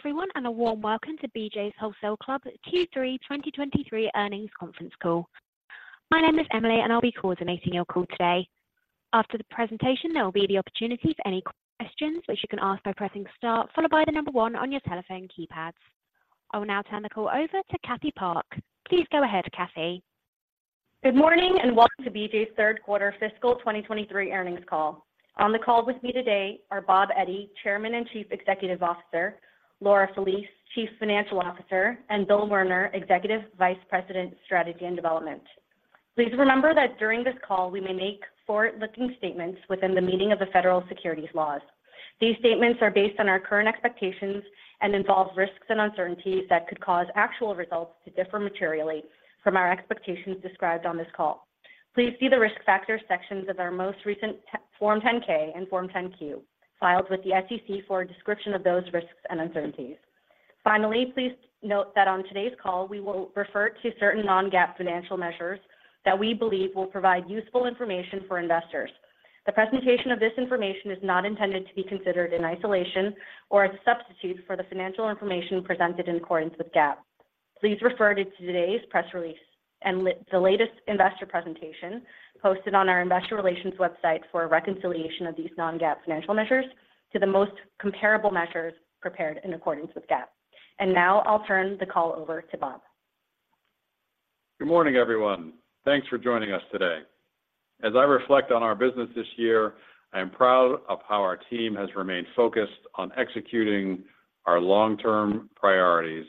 Hello, everyone, and a warm welcome to BJ's Wholesale Club Q3 2023 Earnings Conference Call. My name is Emily, and I'll be coordinating your call today. After the presentation, there will be the opportunity for any questions, which you can ask by pressing star followed by the number 1 on your telephone keypads. I will now turn the call over to Cathy Park. Please go ahead, Cathy. Good morning, and welcome to BJ's Q3 fiscal 2023 earnings call. On the call with me today are Bob Eddy, Chairman and Chief Executive Officer; Laura Felice, Chief Financial Officer; and Bill Werner, Executive Vice President, Strategy and Development. Please remember that during this call, we may make forward-looking statements within the meaning of the federal securities laws. These statements are based on our current expectations and involve risks and uncertainties that could cause actual results to differ materially from our expectations described on this call. Please see the Risk Factors sections of our most recent Form 10-K and Form 10-Q, filed with the SEC for a description of those risks and uncertainties. Finally, please note that on today's call, we will refer to certain non-GAAP financial measures that we believe will provide useful information for investors. The presentation of this information is not intended to be considered in isolation or as a substitute for the financial information presented in accordance with GAAP. Please refer to today's press release and the latest investor presentation posted on our investor relations website for a reconciliation of these non-GAAP financial measures to the most comparable measures prepared in accordance with GAAP. Now I'll turn the call over to Bob. Good morning, everyone. Thanks for joining us today. As I reflect on our business this year, I am proud of how our team has remained focused on executing our long-term priorities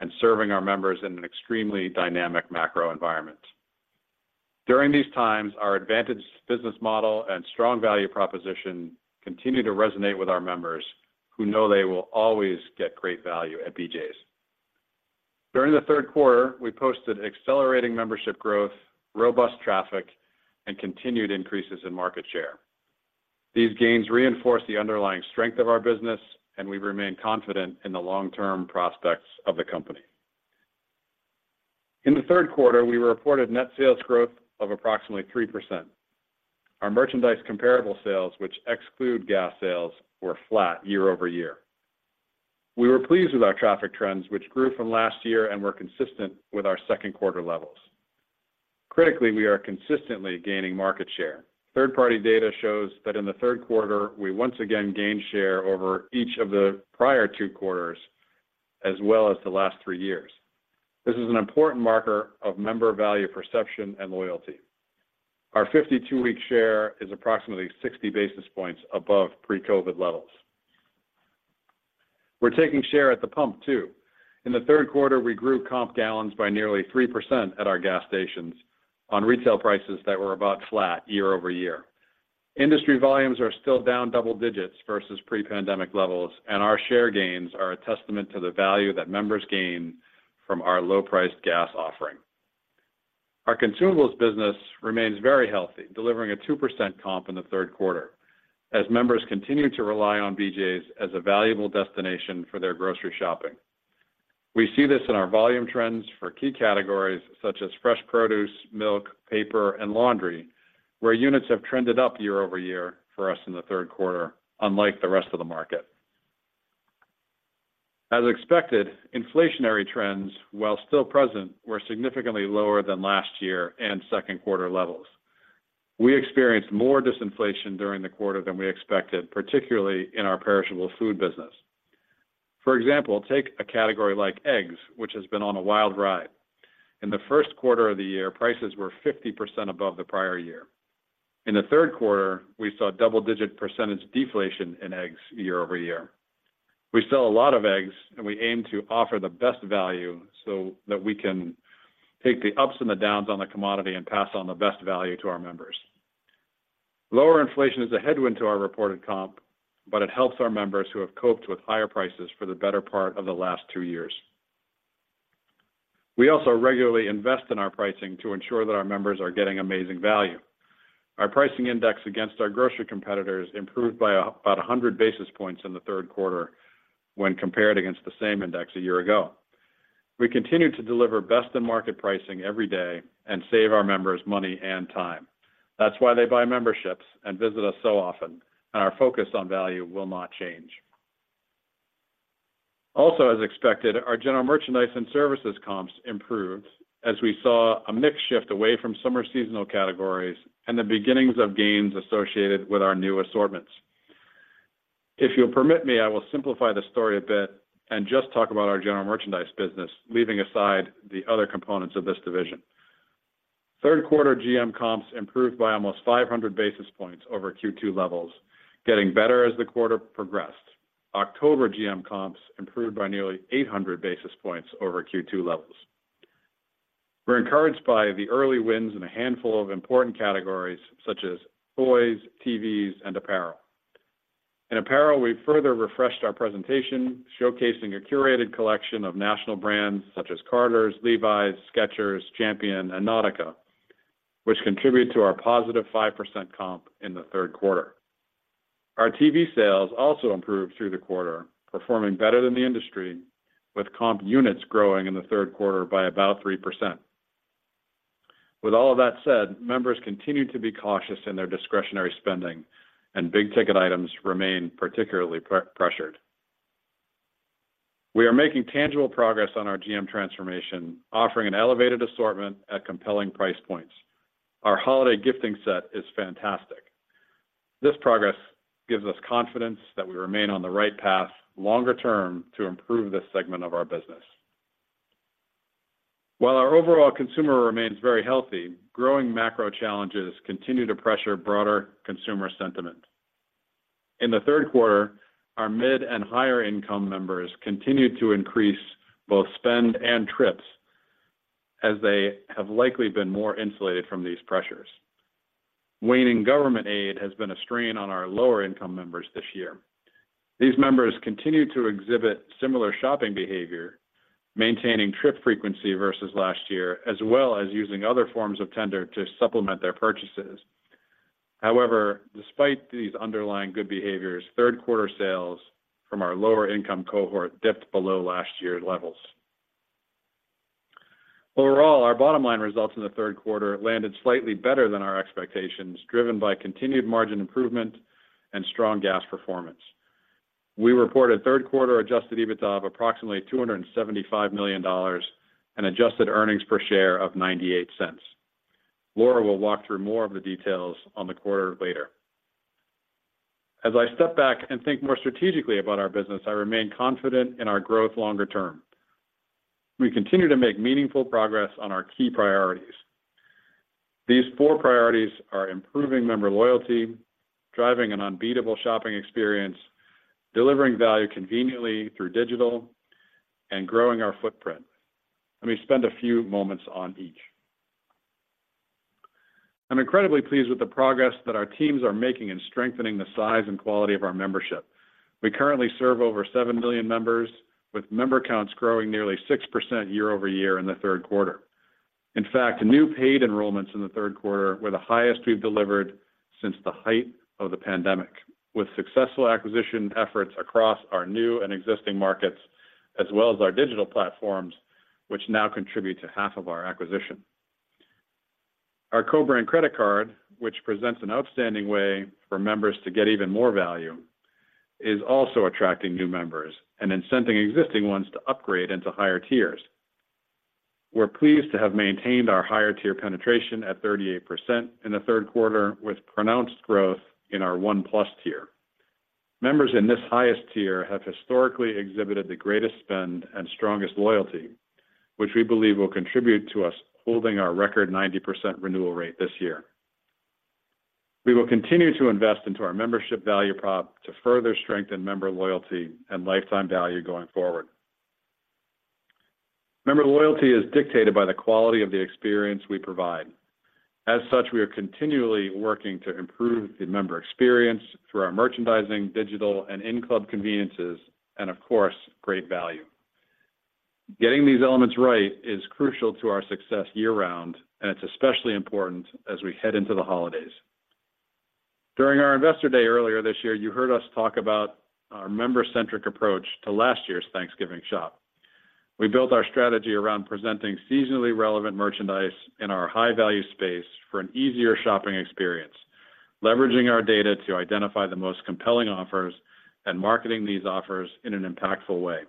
and serving our members in an extremely dynamic macro environment. During these times, our advantage, business model, and strong value proposition continue to resonate with our members, who know they will always get great value at BJ's. During the Q3, we posted accelerating membership growth, robust traffic, and continued increases in market share. These gains reinforce the underlying strength of our business, and we remain confident in the long-term prospects of the company. In the Q3, we reported net sales growth of approximately 3%. Our merchandise comparable sales, which exclude gas sales, were flat year-over-year. We were pleased with our traffic trends, which grew from last year and were consistent with our Q2 levels. Critically, we are consistently gaining market share. Third-party data shows that in the Q3, we once again gained share over each of the prior 2 quarters, as well as the last 3 years. This is an important marker of member value, perception, and loyalty. Our 52-week share is approximately 60 basis points above pre-COVID levels. We're taking share at the pump, too. In the Q3, we grew comp gallons by nearly 3% at our gas stations on retail prices that were about flat year-over-year. Industry volumes are still down double digits versus pre-pandemic levels, and our share gains are a testament to the value that members gain from our low-priced gas offering. Our consumables business remains very healthy, delivering a 2% comp in the Q3 as members continue to rely on BJ's as a valuable destination for their grocery shopping. We see this in our volume trends for key categories such as fresh produce, milk, paper, and laundry, where units have trended up year-over-year for us in the Q3, unlike the rest of the market. As expected, inflationary trends, while still present, were significantly lower than last year and Q2 levels. We experienced more disinflation during the quarter than we expected, particularly in our perishable food business. For example, take a category like eggs, which has been on a wild ride. In the Q1 of the year, prices were 50% above the prior year. In the Q3, we saw double-digit % deflation in eggs year-over-year. We sell a lot of eggs, and we aim to offer the best value so that we can take the ups and the downs on the commodity and pass on the best value to our members. Lower inflation is a headwind to our reported comp, but it helps our members who have coped with higher prices for the better part of the last 2 years. We also regularly invest in our pricing to ensure that our members are getting amazing value. Our pricing index against our grocery competitors improved by about 100 basis points in the Q3 when compared against the same index a year ago. We continue to deliver best in market pricing every day and save our members money and time. That's why they buy memberships and visit us so often, and our focus on value will not change. Also, as expected, our general merchandise and services comps improved as we saw a mix shift away from summer seasonal categories and the beginnings of gains associated with our new assortments. If you'll permit me, I will simplify the story a bit and just talk about our general merchandise business, leaving aside the other components of this division. Q3 GM comps improved by almost 500 basis points over Q2 levels, getting better as the quarter progressed. October GM comps improved by nearly 800 basis points over Q2 levels. We're encouraged by the early wins in a handful of important categories such as toys, TVs, and apparel. In apparel, we further refreshed our presentation, showcasing a curated collection of national brands such as Carter's, Levi's, Skechers, Champion, and Nautica, which contribute to our positive 5% comp in the Q3. Our TV sales also improved through the quarter, performing better than the industry, with comp units growing in the Q3 by about 3%... With all of that said, members continue to be cautious in their discretionary spending, and big-ticket items remain particularly pressured. We are making tangible progress on our GM transformation, offering an elevated assortment at compelling price points. Our holiday gifting set is fantastic. This progress gives us confidence that we remain on the right path longer term to improve this segment of our business. While our overall consumer remains very healthy, growing macro challenges continue to pressure broader consumer sentiment. In the Q3, our mid and higher-income members continued to increase both spend and trips, as they have likely been more insulated from these pressures. Waning government aid has been a strain on our lower-income members this year. These members continue to exhibit similar shopping behavior, maintaining trip frequency versus last year, as well as using other forms of tender to supplement their purchases. However, despite these underlying good behaviors, Q3 sales from our lower-income cohort dipped below last year's levels. Overall, our bottom line results in the Q3 landed slightly better than our expectations, driven by continued margin improvement and strong gas performance. We reported Q3 adjusted EBITDA of approximately $275 million and adjusted earnings per share of $0.98. Laura will walk through more of the details on the quarter later. As I step back and think more strategically about our business, I remain confident in our growth longer term. We continue to make meaningful progress on our key priorities. These 4 priorities are improving member loyalty, driving an unbeatable shopping experience, delivering value conveniently through digital, and growing our footprint. Let me spend a few moments on each. I'm incredibly pleased with the progress that our teams are making in strengthening the size and quality of our membership. We currently serve over 7 million members, with member counts growing nearly 6% year-over-year in the Q3. In fact, new paid enrollments in the Q3 were the highest we've delivered since the height of the pandemic, with successful acquisition efforts across our new and existing markets, as well as our digital platforms, which now contribute to half of our acquisition. Our co-brand credit card, which presents an outstanding way for members to get even more value, is also attracting new members and incenting existing ones to upgrade into higher tiers. We're pleased to have maintained our higher tier penetration at 38% in the Q3, with pronounced growth in our OnePlus tier. Members in this highest tier have historically exhibited the greatest spend and strongest loyalty, which we believe will contribute to us holding our record 90% renewal rate this year. We will continue to invest into our membership value prop to further strengthen member loyalty and lifetime value going forward. Member loyalty is dictated by the quality of the experience we provide. As such, we are continually working to improve the member experience through our merchandising, digital, and in-club conveniences, and of course, great value. Getting these elements right is crucial to our success year-round, and it's especially important as we head into the holidays. During our Investor Day earlier this year, you heard us talk about our member-centric approach to last year's Thanksgiving shop. We built our strategy around presenting seasonally relevant merchandise in our high-value space for an easier shopping experience, leveraging our data to identify the most compelling offers and marketing these offers in an impactful way.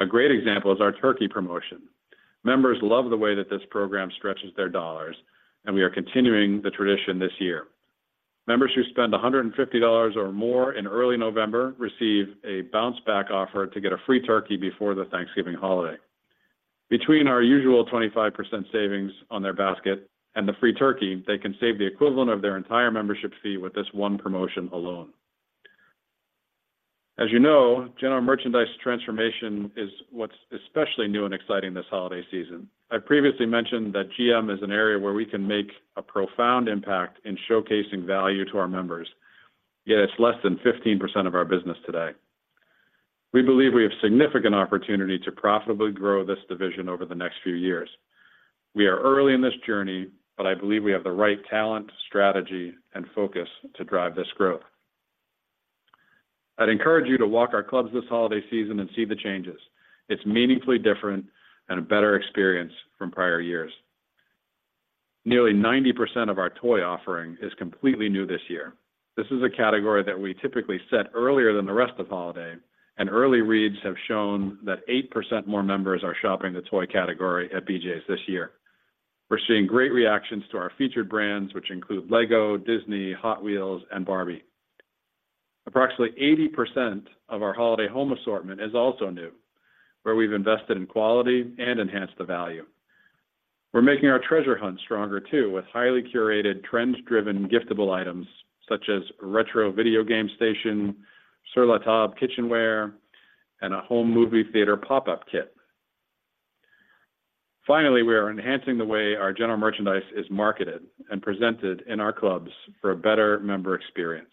A great example is our turkey promotion. Members love the way that this program stretches their dollars, and we are continuing the tradition this year. Members who spend $150 or more in early November receive a bounce-back offer to get a free turkey before the Thanksgiving holiday. Between our usual 25% savings on their basket and the free turkey, they can save the equivalent of their entire membership fee with this 1 promotion alone. As you know, general merchandise transformation is what's especially new and exciting this holiday season. I previously mentioned that GM is an area where we can make a profound impact in showcasing value to our members, yet it's less than 15% of our business today. We believe we have significant opportunity to profitably grow this division over the next few years. We are early in this journey, but I believe we have the right talent, strategy, and focus to drive this growth. I'd encourage you to walk our clubs this holiday season and see the changes. It's meaningfully different and a better experience from prior years. Nearly 90% of our toy offering is completely new this year. This is a category that we typically set earlier than the rest of holiday, and early reads have shown that 8% more members are shopping the toy category at BJ's this year. We're seeing great reactions to our featured brands, which include LEGO, Disney, Hot Wheels, and Barbie. Approximately 80% of our holiday home assortment is also new, where we've invested in quality and enhanced the value. We're making our treasure hunt stronger, too, with highly curated, trends-driven giftable items such as retro video game station, Sur La Table kitchenware, and a home movie theater pop-up kit. Finally, we are enhancing the way our general merchandise is marketed and presented in our clubs for a better member experience.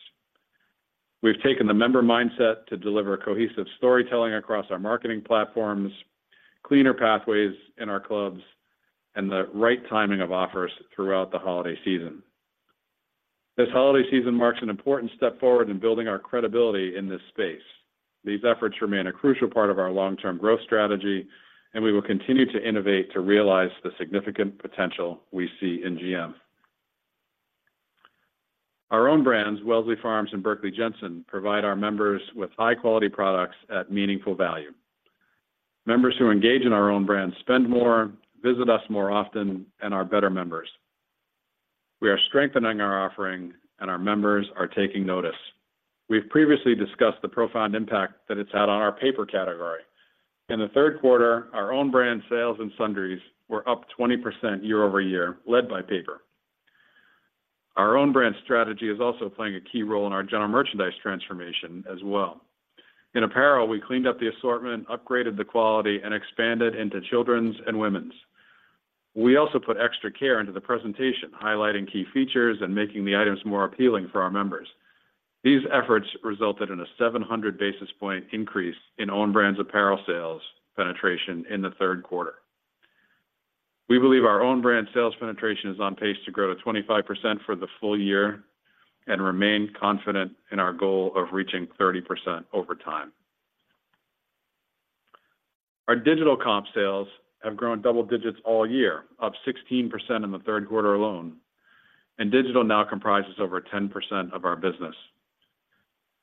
We've taken the member mindset to deliver cohesive storytelling across our marketing platforms, cleaner pathways in our clubs, and the right timing of offers throughout the holiday season.... This holiday season marks an important step forward in building our credibility in this space. These efforts remain a crucial part of our long-term growth strategy, and we will continue to innovate to realize the significant potential we see in GM. Our own brands, Wellesley Farms and Berkley Jensen, provide our members with high-quality products at meaningful value. Members who engage in our own brands spend more, visit us more often, and are better members. We are strengthening our offering, and our members are taking notice. We've previously discussed the profound impact that it's had on our paper category. In the Q3, our own brand sales and sundries were up 20% year-over-year, led by paper. Our own brand strategy is also playing a key role in our general merchandise transformation as well. In apparel, we cleaned up the assortment, upgraded the quality, and expanded into children's and women's. We also put extra care into the presentation, highlighting key features and making the items more appealing for our members. These efforts resulted in a 700 basis point increase in own brands apparel sales penetration in the Q3. We believe our own brand sales penetration is on pace to grow to 25% for the full year and remain confident in our goal of reaching 30% over time. Our digital comp sales have grown double digits all year, up 16% in the Q3 alone, and digital now comprises over 10% of our business.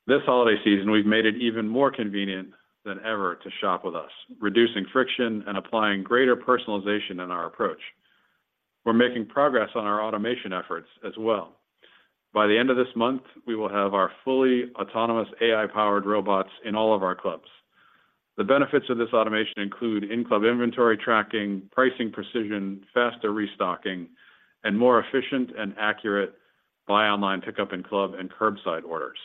This holiday season, we've made it even more convenient than ever to shop with us, reducing friction and applying greater personalization in our approach. We're making progress on our automation efforts as well. By the end of this month, we will have our fully autonomous AI-powered robots in all of our clubs. The benefits of this automation include in-club inventory tracking, pricing precision, faster restocking, and more efficient and accurate Buy Online, Pickup in-Club, and curbside orders.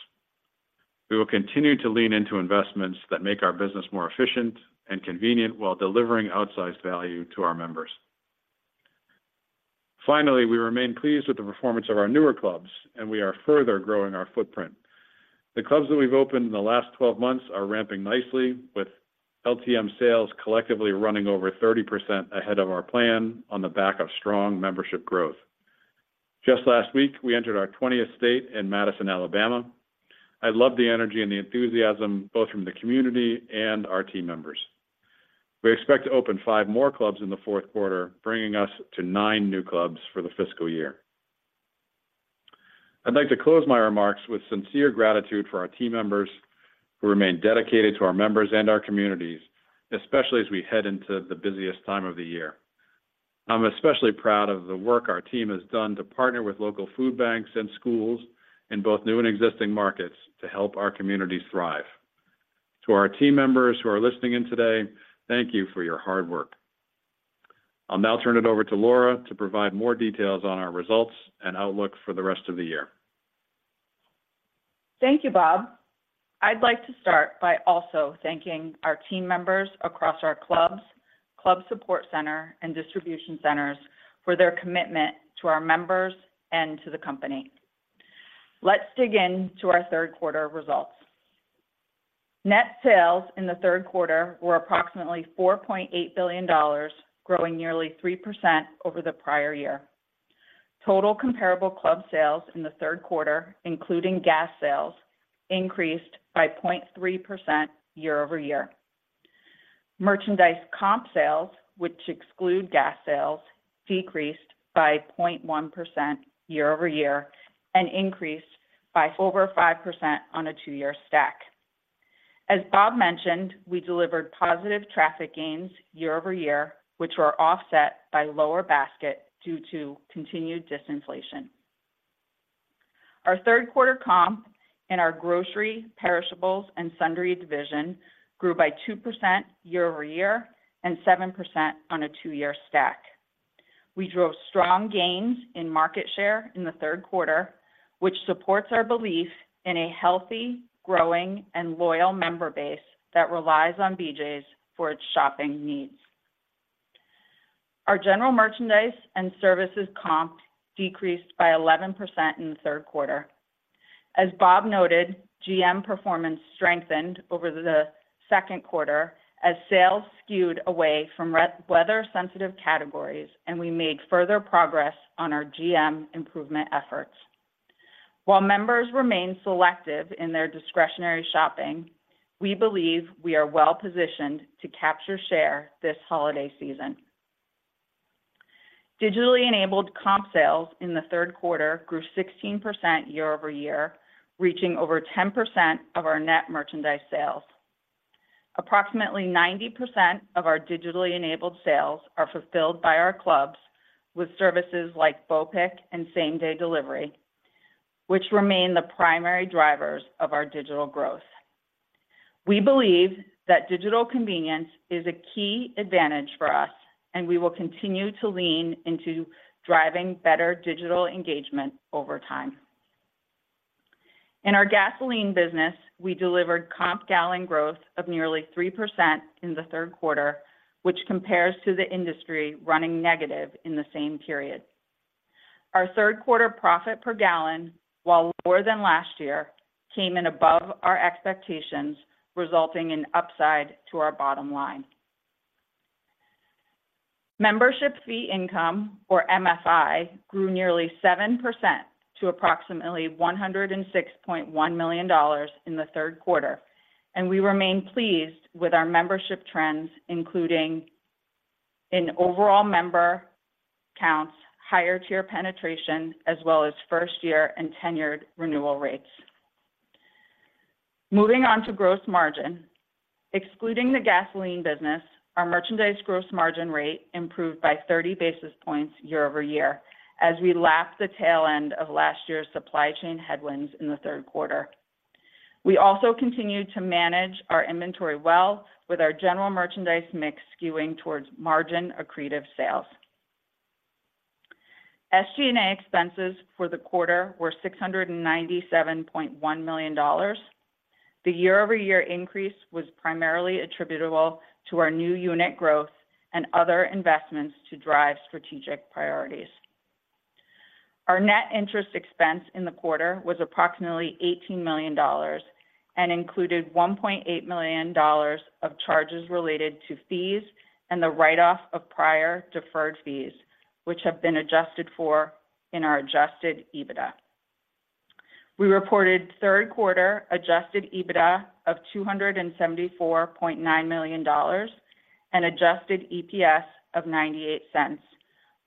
We will continue to lean into investments that make our business more efficient and convenient while delivering outsized value to our members. Finally, we remain pleased with the performance of our newer clubs, and we are further growing our footprint. The clubs that we've opened in the last 12 months are ramping nicely, with LTM sales collectively running over 30% ahead of our plan on the back of strong membership growth. Just last week, we entered our twentieth state in Madison, Alabama. I love the energy and the enthusiasm, both from the community and our team members. We expect to open 5 more clubs in the Q4, bringing us to 9 new clubs for the fiscal year. I'd like to close my remarks with sincere gratitude for our team members, who remain dedicated to our members and our communities, especially as we head into the busiest time of the year. I'm especially proud of the work our team has done to partner with local food banks and schools in both new and existing markets to help our communities thrive. To our team members who are listening in today, thank you for your hard work. I'll now turn it over to Laura to provide more details on our results and outlook for the rest of the year. Thank you, Bob. I'd like to start by also thanking our team members across our clubs, club support center, and distribution centers for their commitment to our members and to the company. Let's dig in to our Q3 results. Net sales in the Q3 were approximately $4.8 billion, growing nearly 3% over the prior year. Total comparable club sales in the Q3, including gas sales, increased by 0.3% year-over-year. Merchandise comp sales, which exclude gas sales, decreased by 0.1% year-over-year and increased by over 5% on a 2-year stack. As Bob mentioned, we delivered positive traffic gains year-over-year, which were offset by lower basket due to continued disinflation. Our Q3 comp in our grocery, perishables, and sundries division grew by 2% year-over-year and 7% on a 2-year stack. We drove strong gains in market share in the Q3, which supports our belief in a healthy, growing, and loyal member base that relies on BJ's for its shopping needs. Our general merchandise and services comp decreased by 11% in the Q3. As Bob noted, GM performance strengthened over the Q2 as sales skewed away from weather-sensitive categories, and we made further progress on our GM improvement efforts. While members remain selective in their discretionary shopping, we believe we are well-positioned to capture share this holiday season. Digitally-enabled comp sales in the Q3 grew 16% year-over-year, reaching over 10% of our net merchandise sales. Approximately 90% of our digitally-enabled sales are fulfilled by our clubs with services like BOPIC and same-day delivery, which remain the primary drivers of our digital growth. We believe that digital convenience is a key advantage for us, and we will continue to lean into driving better digital engagement over time. In our gasoline business, we delivered comp gallon growth of nearly 3% in the Q3, which compares to the industry running negative in the same period. Our Q3 profit per gallon, while lower than last year, came in above our expectations, resulting in upside to our bottom line. Membership fee income, or MFI, grew nearly 7% to approximately $106.1 million in the Q3, and we remain pleased with our membership trends, including in overall member counts, higher tier penetration, as well as first-year and tenured renewal rates. Moving on to gross margin. Excluding the gasoline business, our merchandise gross margin rate improved by 30 basis points year over year, as we lapped the tail end of last year's supply chain headwinds in the Q3. We also continued to manage our inventory well with our general merchandise mix skewing towards margin accretive sales. SG&A expenses for the quarter were $697.1 million. The year-over-year increase was primarily attributable to our new unit growth and other investments to drive strategic priorities. Our net interest expense in the quarter was approximately $18 million and included $1.8 million of charges related to fees and the write-off of prior deferred fees, which have been adjusted for in our adjusted EBITDA. We reported Q3 Adjusted EBITDA of $274.9 million and Adjusted EPS of $0.98,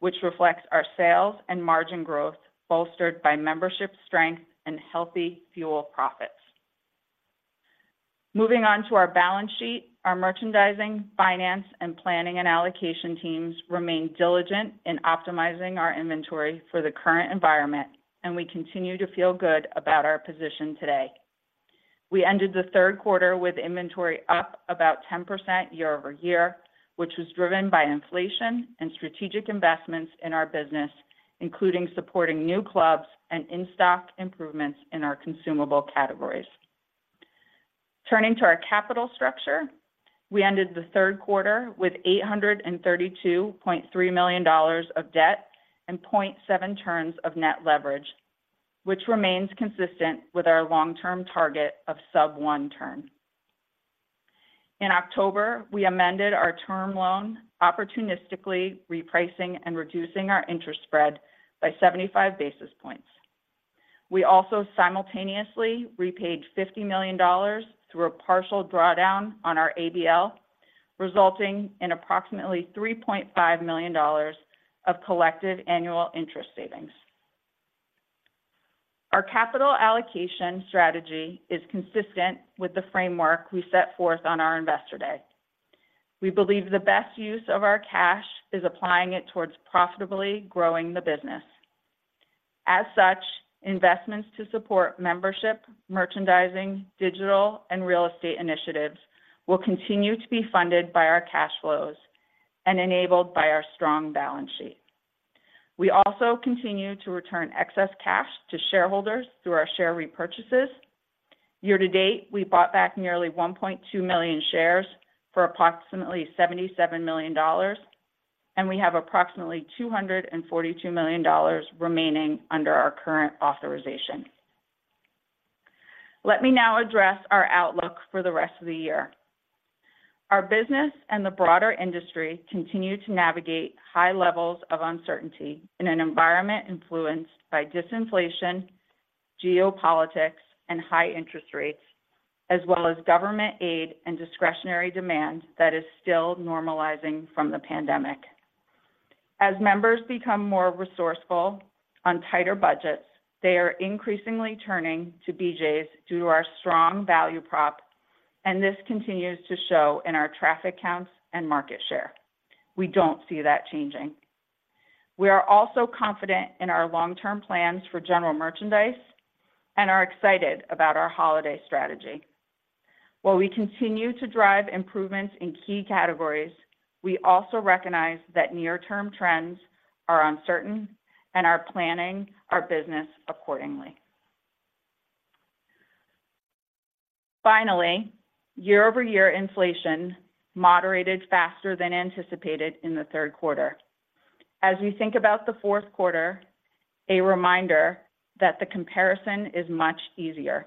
which reflects our sales and margin growth, bolstered by membership strength and healthy fuel profits. Moving on to our balance sheet, our merchandising, finance, and planning and allocation teams remain diligent in optimizing our inventory for the current environment, and we continue to feel good about our position today. We ended the Q3 with inventory up about 10% year-over-year, which was driven by inflation and strategic investments in our business, including supporting new clubs and in-stock improvements in our consumable categories. Turning to our capital structure, we ended the Q3 with $832.3 million of debt and 0.7 turns of net leverage, which remains consistent with our long-term target of sub-1 turn. In October, we amended our term loan, opportunistically repricing and reducing our interest spread by 75 basis points. We also simultaneously repaid $50 million through a partial drawdown on our ABL, resulting in approximately $3.5 million of collective annual interest savings. Our capital allocation strategy is consistent with the framework we set forth on our Investor Day. We believe the best use of our cash is applying it towards profitably growing the business. As such, investments to support membership, merchandising, digital, and real estate initiatives will continue to be funded by our cash flows and enabled by our strong balance sheet. We also continue to return excess cash to shareholders through our share repurchases. Year to date, we bought back nearly 1.2 million shares for approximately $77 million, and we have approximately $242 million remaining under our current authorization. Let me now address our outlook for the rest of the year. Our business and the broader industry continue to navigate high levels of uncertainty in an environment influenced by disinflation, geopolitics, and high interest rates, as well as government aid and discretionary demand that is still normalizing from the pandemic. As members become more resourceful on tighter budgets, they are increasingly turning to BJ's due to our strong value prop, and this continues to show in our traffic counts and market share. We don't see that changing. We are also confident in our long-term plans for general merchandise and are excited about our holiday strategy. While we continue to drive improvements in key categories, we also recognize that near-term trends are uncertain and are planning our business accordingly. Finally, year-over-year inflation moderated faster than anticipated in the Q3. As we think about the Q4, a reminder that the comparison is much easier.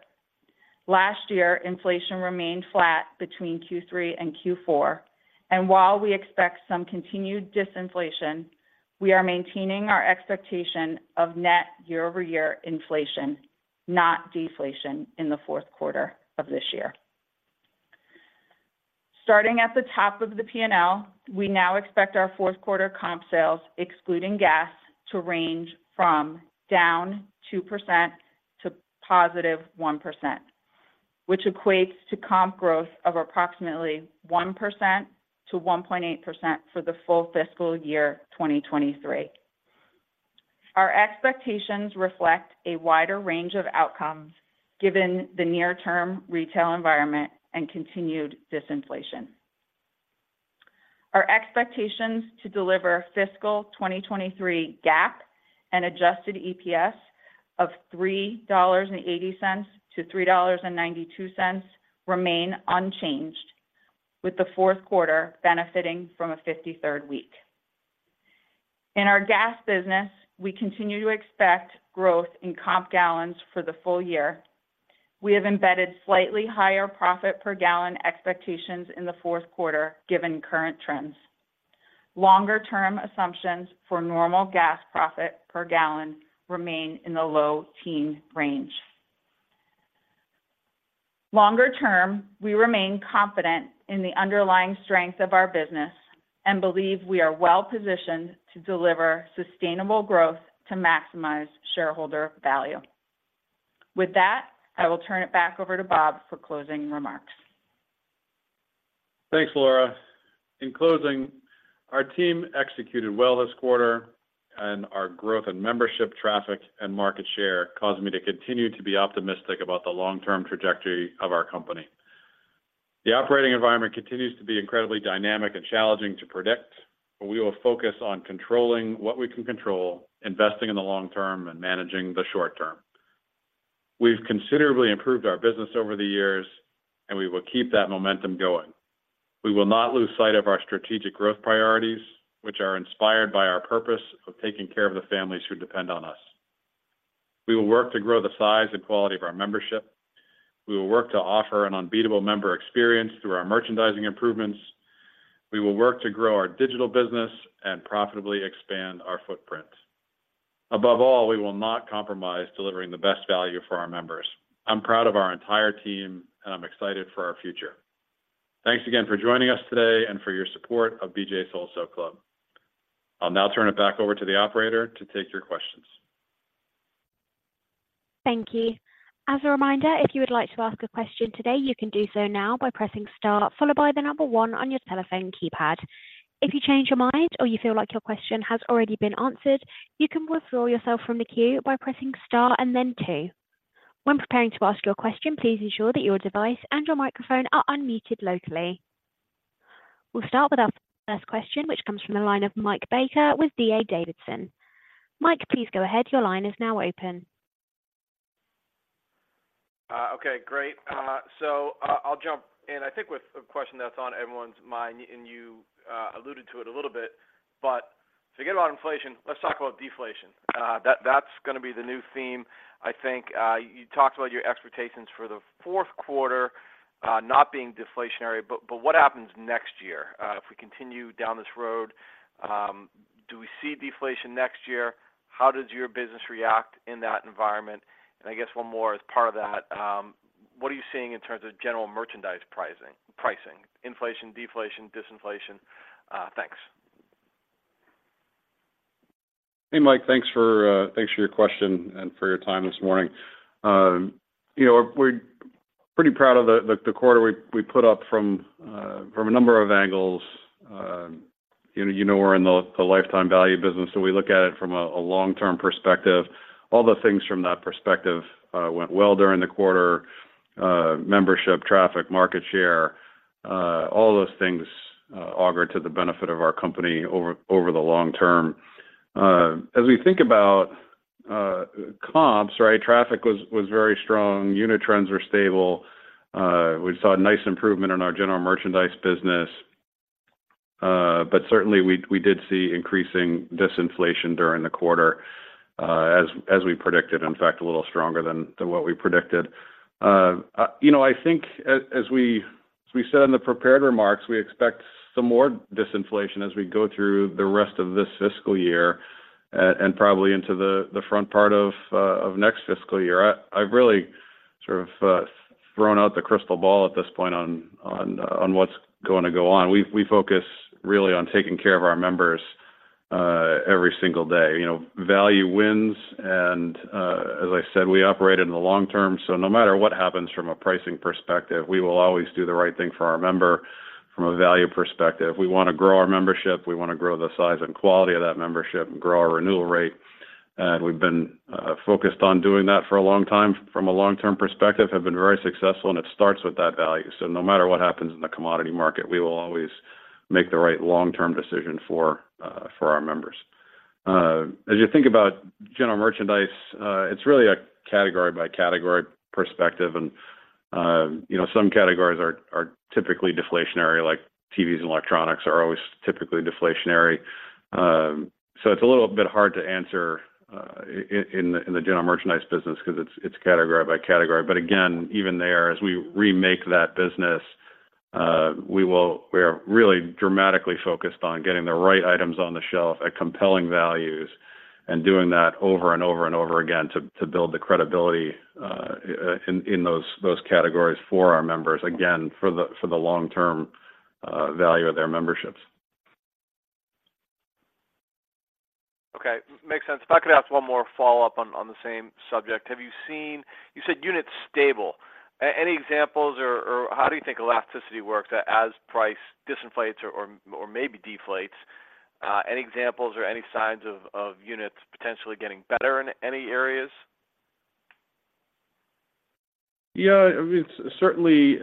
Last year, inflation remained flat between Q3 and Q4, and while we expect some continued disinflation, we are maintaining our expectation of net year-over-year inflation, not deflation, in the Q4 of this year. Starting at the top of the P&L, we now expect our Q4 comp sales, excluding gas, to range from down 2% to positive 1%, which equates to comp growth of approximately 1%-1.8% for the full fiscal year 2023. Our expectations reflect a wider range of outcomes given the near-term retail environment and continued disinflation. Our expectations to deliver fiscal 2023 GAAP and adjusted EPS of $3.80-$3.92 remain unchanged, with the Q4 benefiting from a 53rd week. In our gas business, we continue to expect growth in comp gallons for the full year. We have embedded slightly higher profit per gallon expectations in the Q4, given current trends. Longer-term assumptions for normal gas profit per gallon remain in the low teen range. Longer term, we remain confident in the underlying strength of our business and believe we are well-positioned to deliver sustainable growth to maximize shareholder value. With that, I will turn it back over to Bob for closing remarks. Thanks, Laura. In closing, our team executed well this quarter, and our growth in membership, traffic, and market share caused me to continue to be optimistic about the long-term trajectory of our company. The operating environment continues to be incredibly dynamic and challenging to predict, but we will focus on controlling what we can control, investing in the long term, and managing the short term. We've considerably improved our business over the years, and we will keep that momentum going. We will not lose sight of our strategic growth priorities, which are inspired by our purpose of taking care of the families who depend on us. We will work to grow the size and quality of our membership. We will work to offer an unbeatable member experience through our merchandising improvements. We will work to grow our digital business and profitably expand our footprint. Above all, we will not compromise delivering the best value for our members. I'm proud of our entire team, and I'm excited for our future. Thanks again for joining us today and for your support of BJ's Wholesale Club. I'll now turn it back over to the operator to take your questions. Thank you. As a reminder, if you would like to ask a question today, you can do so now by pressing star followed by the number 1 on your telephone keypad. If you change your mind or you feel like your question has already been answered, you can withdraw yourself from the queue by pressing star and then 2. When preparing to ask your question, please ensure that your device and your microphone are unmuted locally. We'll start with our first question, which comes from the line of Mike Baker with D.A. Davidson. Mike, please go ahead. Your line is now open. Okay, great. So I'll jump in, I think, with a question that's on everyone's mind, and you alluded to it a little bit, but forget about inflation. Let's talk about deflation. That's gonna be the new theme, I think. You talked about your expectations for the Q4 not being deflationary, but what happens next year? If we continue down this road, do we see deflation next year? How does your business react in that environment? And I guess one more as part of that, what are you seeing in terms of general merchandise pricing? Inflation, deflation, disinflation. Thanks. Hey, Mike. Thanks for, thanks for your question and for your time this morning. You know, we're pretty proud of the quarter we put up from a number of angles. You know, we're in the lifetime value business, so we look at it from a long-term perspective. All the things from that perspective went well during the quarter. Membership, traffic, market share, all those things augur to the benefit of our company over the long term. As we think about comps, right, traffic was very strong. Unit trends were stable. We saw a nice improvement in our general merchandise business, but certainly we did see increasing disinflation during the quarter, as we predicted, in fact, a little stronger than what we predicted. You know, I think as we said in the prepared remarks, we expect some more disinflation as we go through the rest of this fiscal year, and probably into the front part of next fiscal year. I've really sort of thrown out the crystal ball at this point on what's going to go on. We focus really on taking care of our members every single day. You know, value wins, and as I said, we operate in the long term, so no matter what happens from a pricing perspective, we will always do the right thing for our member from a value perspective. We want to grow our membership. We want to grow the size and quality of that membership and grow our renewal rate. We've been focused on doing that for a long time. From a long-term perspective, have been very successful, and it starts with that value. No matter what happens in the commodity market, we will always make the right long-term decision for our members. As you think about general merchandise, it's really a category by category perspective, and you know, some categories are typically deflationary, like TVs and electronics are always typically deflationary. It's a little bit hard to answer in the general merchandise business because it's category by category. But again, even there, as we remake that business, we are really dramatically focused on getting the right items on the shelf at compelling values and doing that over and over and over again to build the credibility in those categories for our members, again, for the long-term value of their memberships. Okay, makes sense. If I could ask one more follow-up on the same subject. Have you seen? You said units stable. Any examples, or how do you think elasticity works as price disinflates or maybe deflates? Any examples or any signs of units potentially getting better in any areas? Yeah, I mean, certainly,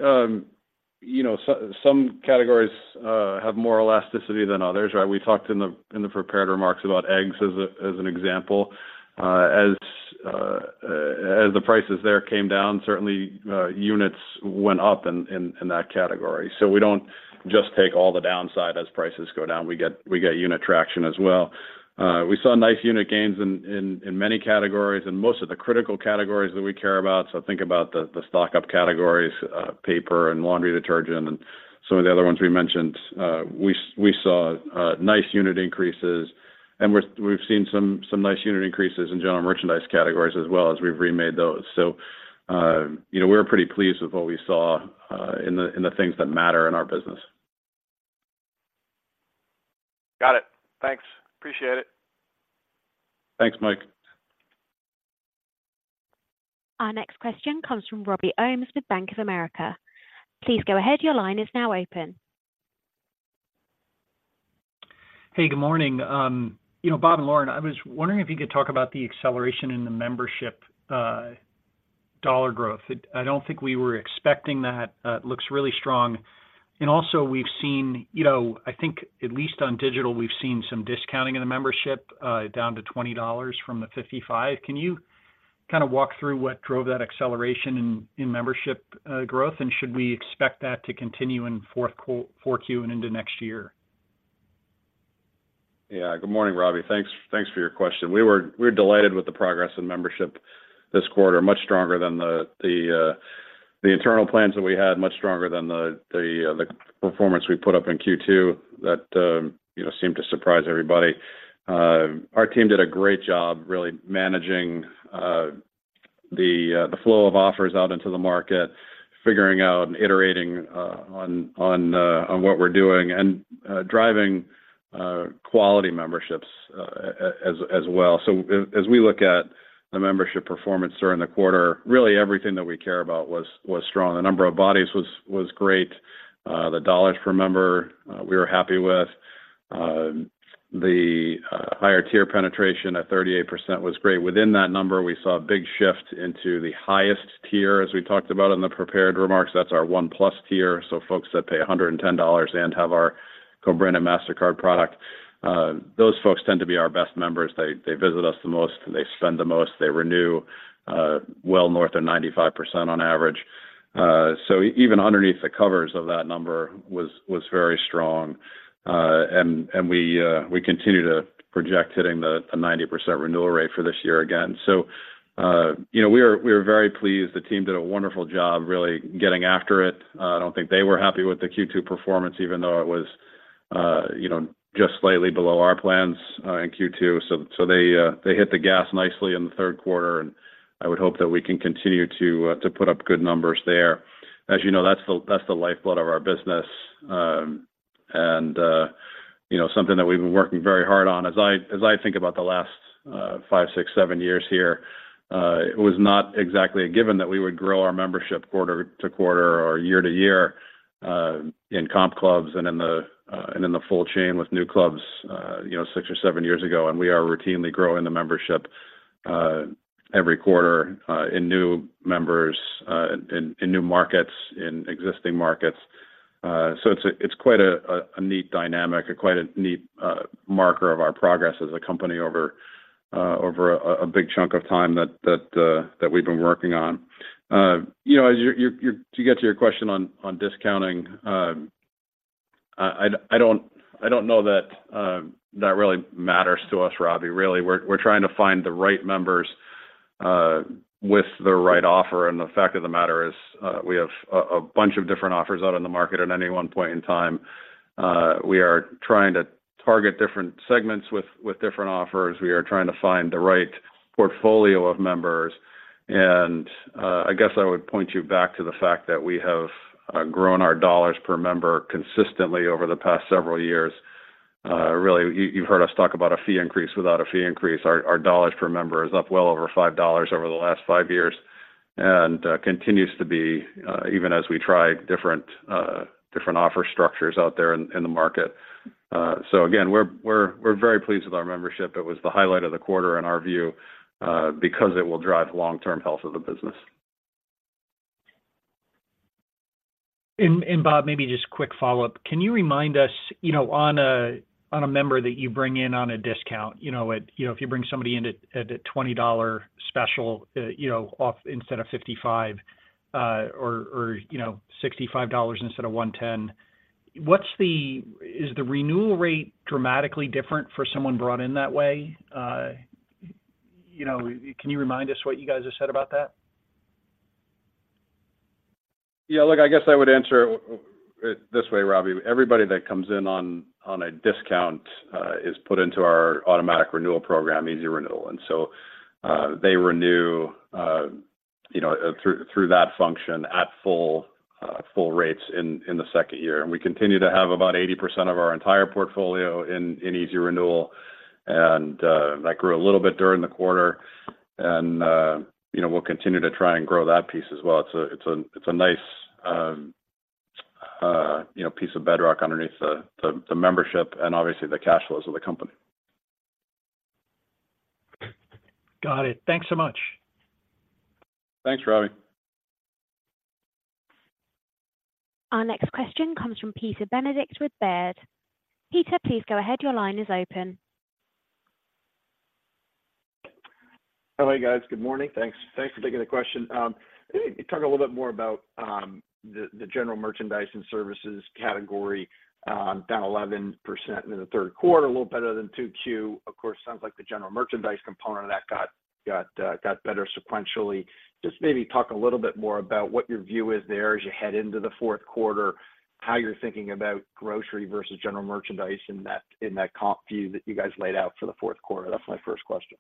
you know, some categories have more elasticity than others, right? We talked in the prepared remarks about eggs as an example. As the prices there came down, certainly, units went up in that category. So we don't just take all the downside as prices go down, we get unit traction as well. We saw nice unit gains in many categories, and most of the critical categories that we care about. So think about the stock-up categories, paper and laundry detergent, and some of the other ones we mentioned. We saw nice unit increases, and we've seen some nice unit increases in general merchandise categories as well as we've remade those. You know, we're pretty pleased with what we saw in the things that matter in our business. Got it. Thanks. Appreciate it. Thanks, Mike. Our next question comes from Robby Ohmes with Bank of America. Please go ahead, your line is now open. Hey, good morning. You know, Bob and Laura, I was wondering if you could talk about the acceleration in the membership dollar growth. It—I don't think we were expecting that. It looks really strong. And also, we've seen, you know, I think at least on digital, we've seen some discounting in the membership down to $20 from the $55. Can you kinda walk through what drove that acceleration in membership growth? And should we expect that to continue in 4Q and into next year? Yeah. Good morning, Robby. Thanks, thanks for your question. We're delighted with the progress in membership this quarter. Much stronger than the internal plans that we had, much stronger than the performance we put up in Q2 that, you know, seemed to surprise everybody. Our team did a great job really managing the flow of offers out into the market, figuring out and iterating on what we're doing, and driving quality memberships as well. So as we look at the membership performance during the quarter, really everything that we care about was strong. The number of bodies was great. The dollars per member we were happy with. The higher tier penetration at 38% was great. Within that number, we saw a big shift into the highest tier, as we talked about in the prepared remarks. That's our One Plus tier, so folks that pay $110 and have our co-branded Mastercard product. Those folks tend to be our best members. They visit us the most, they spend the most, they renew well north of 95% on average. So even underneath the covers of that number was very strong. And we continue to project hitting the 90% renewal rate for this year again. So, you know, we are very pleased. The team did a wonderful job really getting after it. I don't think they were happy with the Q2 performance, even though it was, you know, just slightly below our plans in Q2. So they hit the gas nicely in the Q3, and I would hope that we can continue to put up good numbers there. As you know, that's the lifeblood of our business. And you know, something that we've been working very hard on. As I think about the last 5, 6, 7 years here, it was not exactly a given that we would grow our membership quarter to quarter or year to year, in comp clubs and in the full chain with new clubs, you know, 6 or 7 years ago. And we are routinely growing the membership every quarter, in new members, in new markets, in existing markets. So it's quite a neat dynamic and quite a neat marker of our progress as a company over a big chunk of time that we've been working on. You know, to get to your question on discounting, I don't know that that really matters to us, Robby. Really, we're trying to find the right members with the right offer. And the fact of the matter is, we have a bunch of different offers out in the market at any one point in time. We are trying to target different segments with different offers. We are trying to find the right portfolio of members. I guess I would point you back to the fact that we have grown our dollars per member consistently over the past several years. Really, you, you've heard us talk about a fee increase. Without a fee increase, our dollars per member is up well over $5 over the last 5 years, and continues to be even as we try different different offer structures out there in the market. So again, we're very pleased with our membership. It was the highlight of the quarter in our view because it will drive long-term health of the business. Bob, maybe just a quick follow-up. Can you remind us, you know, on a member that you bring in on a discount, you know, if you bring somebody in at a $20 special, you know, off instead of $55, or you know, $65 instead of $110, what's the... Is the renewal rate dramatically different for someone brought in that way? You know, can you remind us what you guys have said about that? Yeah, look, I guess I would answer it this way, Robby: Everybody that comes in on a discount is put into our automatic renewal program, Easy Renewal. And so, they renew, you know, through that function at full rates in the second year. And we continue to have about 80% of our entire portfolio in Easy Renewal, and that grew a little bit during the quarter. And, you know, we'll continue to try and grow that piece as well. It's a nice, you know, piece of bedrock underneath the membership and obviously the cash flows of the company. Got it. Thanks so much. Thanks, Robby. Our next question comes from Peter Benedict with Baird. Peter, please go ahead. Your line is open. Hi, guys. Good morning. Thanks, thanks for taking the question. Maybe talk a little bit more about the general merchandise and services category, down 11% in the Q3, a little better than 2Q. Of course, sounds like the general merchandise component of that got better sequentially. Just maybe talk a little bit more about what your view is there as you head into the Q4, how you're thinking about grocery versus general merchandise in that comp view that you guys laid out for the Q4. That's my first question.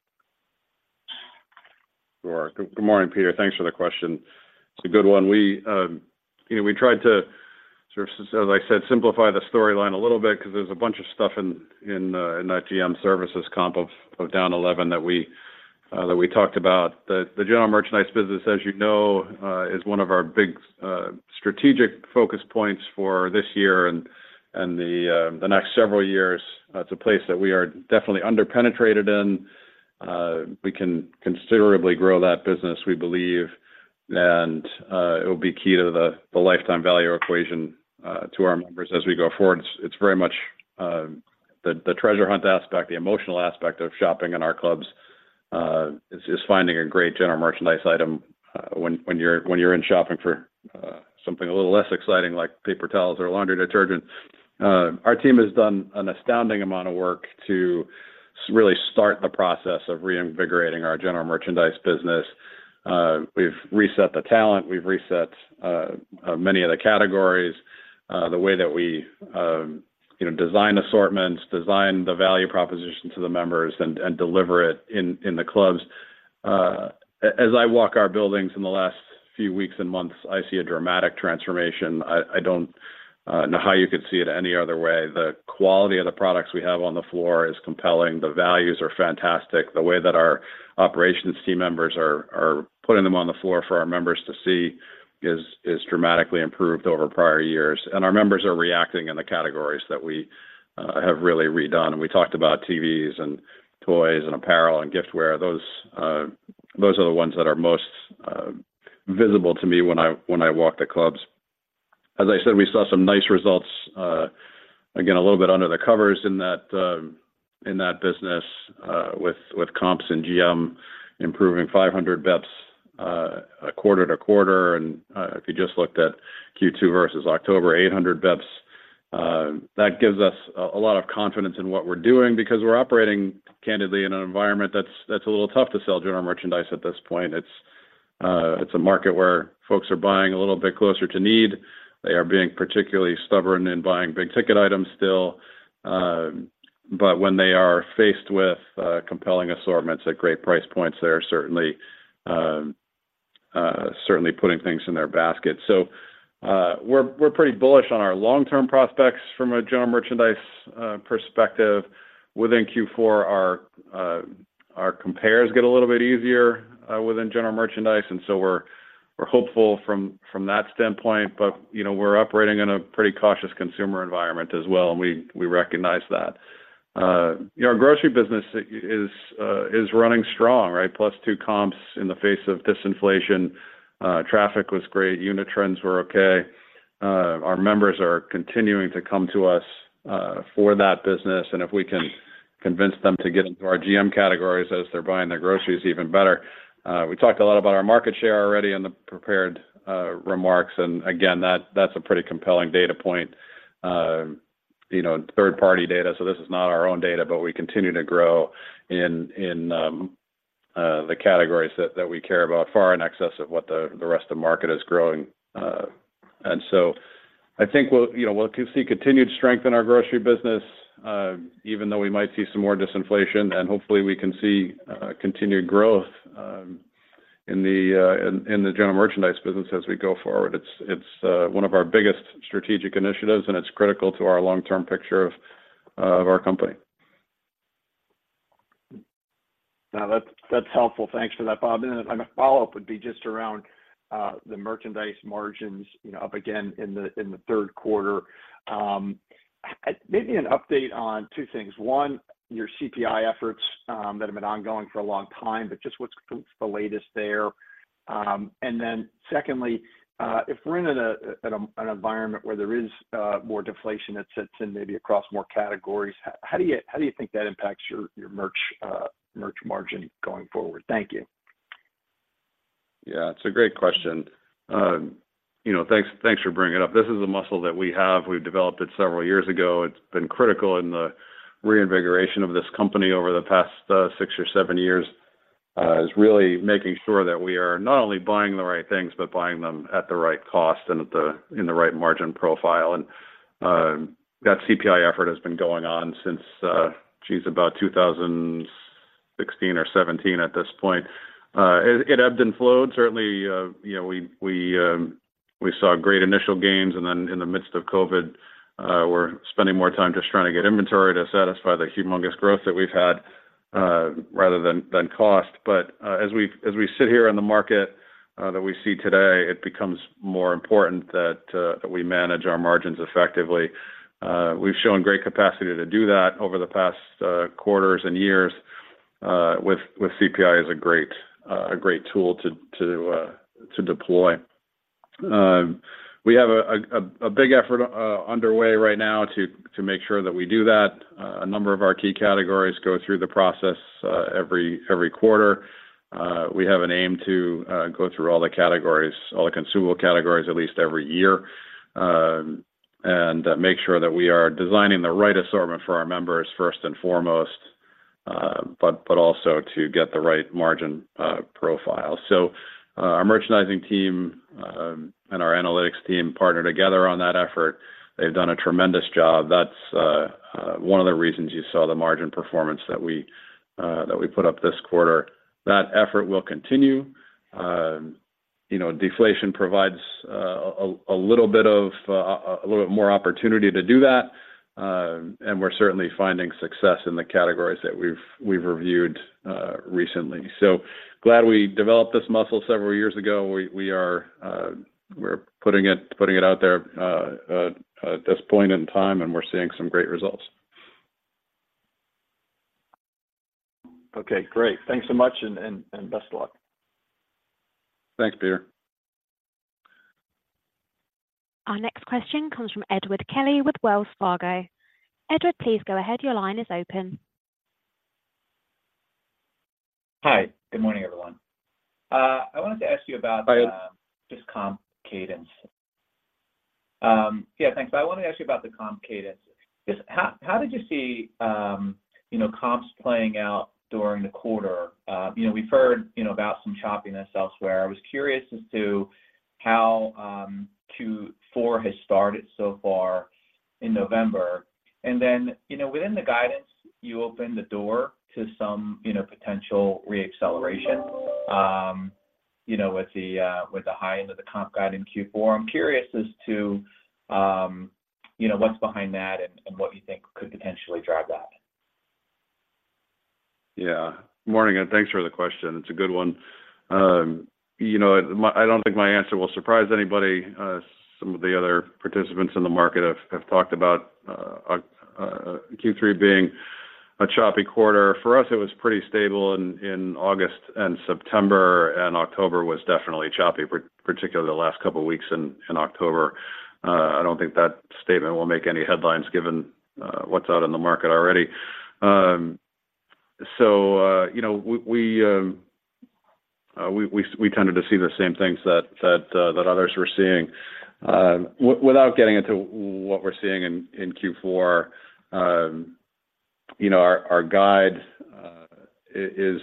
Sure. Good morning, Peter. Thanks for the question. It's a good one. We, you know, we tried to sort of, as I said, simplify the storyline a little bit because there's a bunch of stuff in that GM services comp of down 11 that we that we talked about. The general merchandise business, as you know, is one of our big strategic focus points for this year and the next several years. It's a place that we are definitely under penetrated in. We can considerably grow that business, we believe, and it will be key to the lifetime value equation to our members as we go forward. It's very much the treasure hunt aspect, the emotional aspect of shopping in our clubs, is finding a great general merchandise item, when you're shopping for something a little less exciting, like paper towels or laundry detergent. Our team has done an astounding amount of work to really start the process of reinvigorating our general merchandise business. We've reset the talent, we've reset many of the categories, the way that we you know design assortments, design the value proposition to the members, and deliver it in the clubs. As I walk our buildings in the last few weeks and months, I see a dramatic transformation. I don't know how you could see it any other way. The quality of the products we have on the floor is compelling. The values are fantastic. The way that our operations team members are putting them on the floor for our members to see is dramatically improved over prior years. And our members are reacting in the categories that we have really redone. And we talked about TVs and toys and apparel and giftware. Those are the ones that are most visible to me when I walk the clubs. As I said, we saw some nice results, again, a little bit under the covers in that business, with comps and GM improving 500 bps, quarter to quarter. If you just looked at Q2 versus October, 800 bps, that gives us a lot of confidence in what we're doing because we're operating candidly in an environment that's a little tough to sell general merchandise at this point. It's a market where folks are buying a little bit closer to need. They are being particularly stubborn in buying big-ticket items still. But when they are faced with compelling assortments at great price points, they're certainly certainly putting things in their basket. We're pretty bullish on our long-term prospects from a general merchandise perspective. Within Q4, our compares get a little bit easier within general merchandise, and so we're hopeful from that standpoint, but you know, we're operating in a pretty cautious consumer environment as well, and we recognize that. Our grocery business is running strong, right? Plus, 2 comps in the face of disinflation. Traffic was great, unit trends were okay. Our members are continuing to come to us for that business, and if we can convince them to get into our GM categories as they're buying their groceries, even better. We talked a lot about our market share already in the prepared remarks, and again, that's a pretty compelling data point. You know, third-party data, so this is not our own data, but we continue to grow in the categories that we care about, far in excess of what the rest of the market is growing. And so I think we'll, you know, we'll see continued strength in our grocery business, even though we might see some more disinflation, and hopefully, we can see continued growth in the general merchandise business as we go forward. It's one of our biggest strategic initiatives, and it's critical to our long-term picture of our company. Now, that's, that's helpful. Thanks for that, Bob. And then my follow-up would be just around the merchandise margins, you know, up again in the Q3. Maybe an update on 2 things. One, your CPI efforts that have been ongoing for a long time, but just what's the latest there? And then secondly, if we're in an environment where there is more deflation that sets in, maybe across more categories, how do you think that impacts your merch margin going forward? Thank you. Yeah, it's a great question. You know, thanks, thanks for bringing it up. This is a muscle that we have. We've developed it several years ago. It's been critical in the reinvigoration of this company over the past 6 or 7 years is really making sure that we are not only buying the right things, but buying them at the right cost and in the right margin profile. That CPI effort has been going on since, geez, about 2016 or 2017 at this point. It ebbed and flowed. Certainly, you know, we saw great initial gains, and then in the midst of COVID, we're spending more time just trying to get inventory to satisfy the humongous growth that we've had rather than cost. But as we sit here in the market that we see today, it becomes more important that we manage our margins effectively. We've shown great capacity to do that over the past quarters and years... with CPI is a great tool to deploy. We have a big effort underway right now to make sure that we do that. A number of our key categories go through the process every quarter. We have an aim to go through all the categories, all the consumable categories, at least every year, and make sure that we are designing the right assortment for our members first and foremost, but also to get the right margin profile. So, our merchandising team and our analytics team partner together on that effort. They've done a tremendous job. That's one of the reasons you saw the margin performance that we put up this quarter. That effort will continue. You know, deflation provides a little bit more opportunity to do that, and we're certainly finding success in the categories that we've reviewed recently. So glad we developed this muscle several years ago. We are putting it out there at this point in time, and we're seeing some great results. Okay, great. Thanks so much, and best of luck. Thanks, Peter. Our next question comes from Edward Kelly with Wells Fargo. Edward, please go ahead. Your line is open. Hi, good morning, everyone. I wanted to ask you about- Hi, Ed. Just comp cadence. Yeah, thanks. I wanted to ask you about the comp cadence. Just how did you see, you know, comps playing out during the quarter? You know, we've heard, you know, about some choppiness elsewhere. I was curious as to how Q4 has started so far in November, and then, you know, within the guidance, you opened the door to some, you know, potential re-acceleration, you know, with the high end of the comp guide in Q4. I'm curious as to, you know, what's behind that and what you think could potentially drive that? Yeah. Morning, and thanks for the question. It's a good one. You know, my—I don't think my answer will surprise anybody. Some of the other participants in the market have talked about Q3 being a choppy quarter. For us, it was pretty stable in August and September, and October was definitely choppy, particularly the last couple of weeks in October. I don't think that statement will make any headlines, given what's out in the market already. So, you know, we tended to see the same things that others were seeing. Without getting into what we're seeing in Q4, you know, our guide is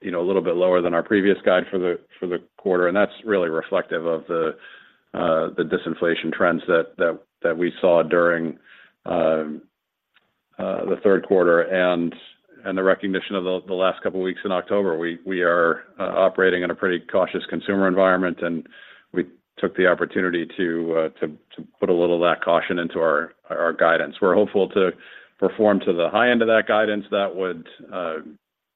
you know, a little bit lower than our previous guide for the quarter, and that's really reflective of the disinflation trends that we saw during the Q3 and the recognition of the last couple weeks in October. We are operating in a pretty cautious consumer environment, and we took the opportunity to put a little of that caution into our guidance. We're hopeful to perform to the high end of that guidance. That would,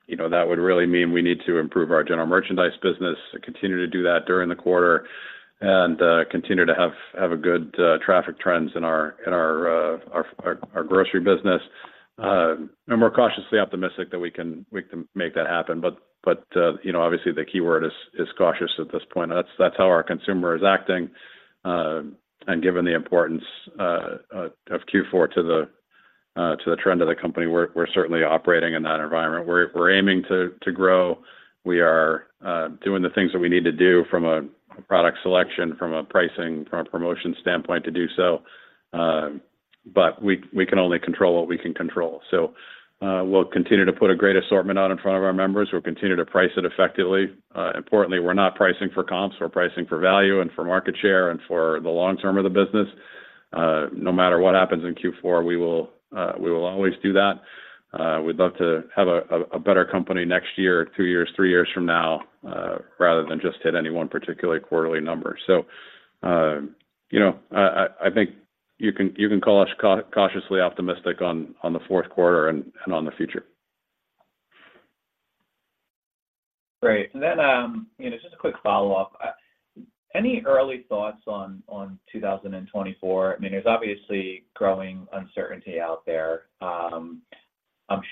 you know, that would really mean we need to improve our general merchandise business and continue to do that during the quarter and continue to have a good traffic trends in our grocery business. And we're cautiously optimistic that we can make that happen. But, you know, obviously the keyword is cautious at this point, and that's how our consumer is acting. And given the importance of Q4 to the trend of the company, we're certainly operating in that environment. We're aiming to grow. We are doing the things that we need to do from a product selection, from a pricing, from a promotion standpoint to do so, but we can only control what we can control. So, we'll continue to put a great assortment out in front of our members. We'll continue to price it effectively. Importantly, we're not pricing for comps, we're pricing for value and for market share and for the long term of the business. No matter what happens in Q4, we will always do that. We'd love to have a better company next year, 2 years, 3 years from now, rather than just hit any one particular quarterly number. So, you know, I think you can call us cautiously optimistic on the Q4 and on the future. Great. And then, you know, just a quick follow-up. Any early thoughts on 2024? I mean, there's obviously growing uncertainty out there. I'm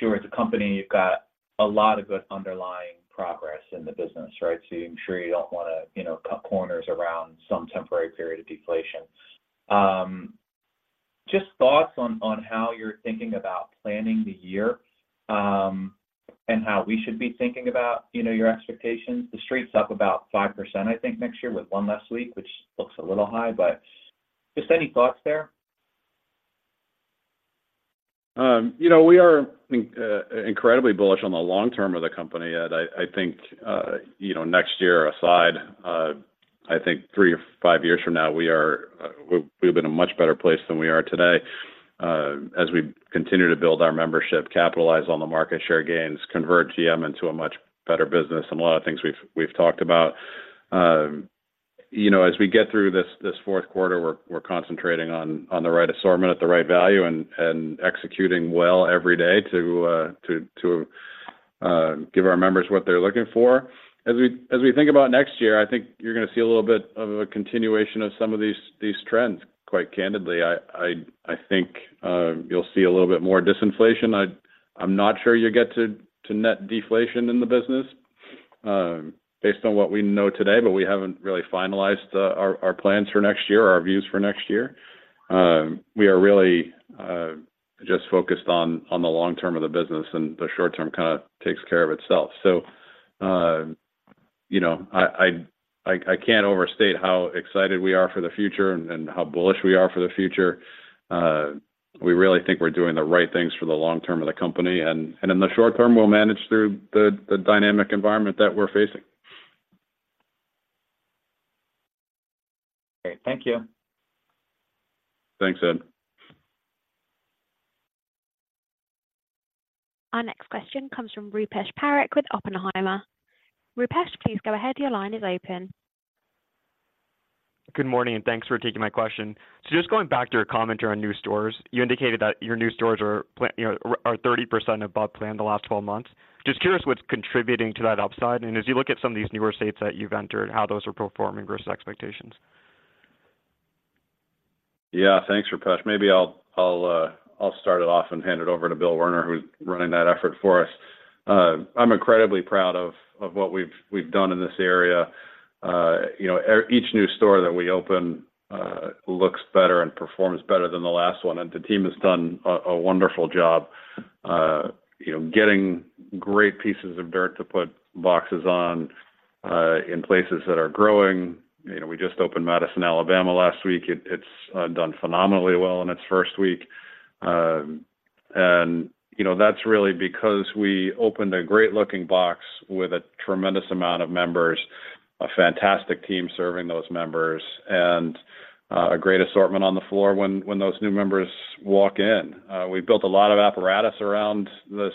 sure as a company, you've got a lot of good underlying progress in the business, right? So I'm sure you don't want to, you know, cut corners around some temporary period of deflation. Just thoughts on how you're thinking about planning the year, and how we should be thinking about, you know, your expectations. The Street's up about 5%, I think, next year with one less week, which looks a little high, but just any thoughts there? You know, we are incredibly bullish on the long term of the company, Ed. I think you know, next year aside, I think 3 or 5 years from now, we'll be in a much better place than we are today, as we continue to build our membership, capitalize on the market share gains, convert GM into a much better business, and a lot of things we've talked about. You know, as we get through this Q4, we're concentrating on the right assortment at the right value and executing well every day to give our members what they're looking for. As we think about next year, I think you're gonna see a little bit of a continuation of some of these trends, quite candidly. I think you'll see a little bit more disinflation. I'm not sure you get to net deflation in the business, based on what we know today, but we haven't really finalized our plans for next year or our views for next year. We are really just focused on the long term of the business, and the short term kinda takes care of itself. So, you know, I can't overstate how excited we are for the future and how bullish we are for the future. We really think we're doing the right things for the long term of the company, and in the short term, we'll manage through the dynamic environment that we're facing. Okay, thank you. Thanks, Ed. Our next question comes from Rupesh Parikh with Oppenheimer. Rupesh, please go ahead. Your line is open. Good morning, and thanks for taking my question. So just going back to your comment around new stores, you indicated that your new stores, you know, are 30% above plan the last 12 months. Just curious what's contributing to that upside, and as you look at some of these newer states that you've entered, how those are performing versus expectations? Yeah, thanks, Rupesh. Maybe I'll start it off and hand it over to Bill Werner, who's running that effort for us. I'm incredibly proud of what we've done in this area. You know, each new store that we open looks better and performs better than the last one, and the team has done a wonderful job, you know, getting great pieces of dirt to put boxes on in places that are growing. You know, we just opened Madison, Alabama, last week. It's done phenomenally well in its first week. And, you know, that's really because we opened a great-looking box with a tremendous amount of members, a fantastic team serving those members, and a great assortment on the floor when those new members walk in. We've built a lot of apparatus around this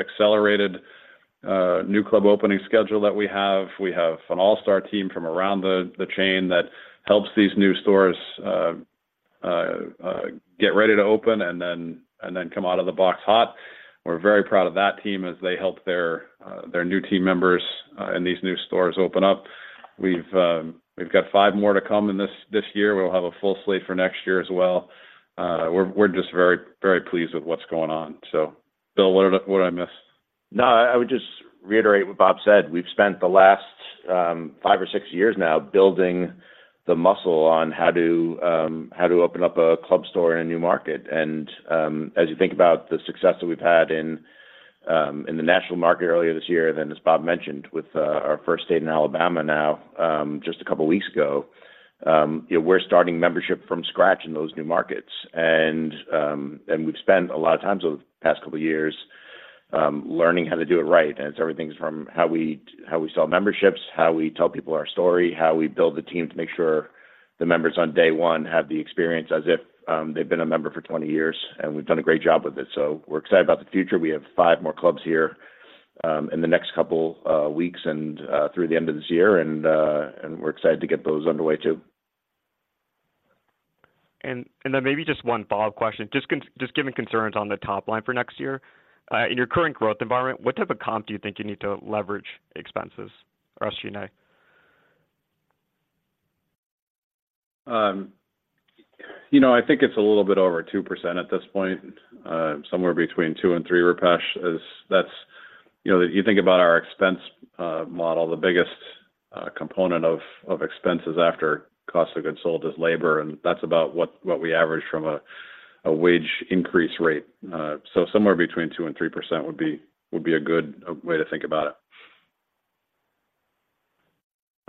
accelerated new club opening schedule that we have. We have an all-star team from around the chain that helps these new stores get ready to open and then come out of the box hot. We're very proud of that team as they help their new team members and these new stores open up. We've got five more to come in this year. We'll have a full slate for next year as well. We're just very pleased with what's going on. So, Bill, what did I miss? No, I would just reiterate what Bob said. We've spent the last 5 or 6 years now building the muscle on how to open up a club store in a new market. And, as you think about the success that we've had in the national market earlier this year, then, as Bob mentioned, with our first state in Alabama now, just a couple weeks ago, you know, we're starting membership from scratch in those new markets. And, and we've spent a lot of time over the past couple years learning how to do it right. It's everything from how we sell memberships, how we tell people our story, how we build the team to make sure the members on day one have the experience as if they've been a member for 20 years, and we've done a great job with it. So we're excited about the future. We have 5 more clubs here in the next couple weeks and we're excited to get those underway, too. Then maybe just one follow-up question. Just given concerns on the top line for next year, in your current growth environment, what type of comp do you think you need to leverage expenses or G&A? You know, I think it's a little bit over 2% at this point, somewhere between 2 and 3, Rupesh, as that's... You know, you think about our expense model, the biggest component of expenses after cost of goods sold is labor, and that's about what we average from a wage increase rate. So somewhere between 2%-3% would be a good way to think about it.